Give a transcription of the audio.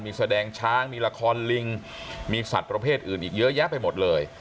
มีแสดงช้างมีละครลิงมีสัตว์ประเภทอื่นอีกเยอะแยะไปหมดเลย